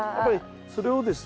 それをですね